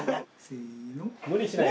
無理しないで。